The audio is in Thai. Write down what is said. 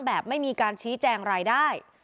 ไม่มีการชี้แจงรายได้